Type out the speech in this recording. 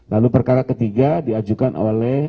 lalu perkara ketiga diajukan oleh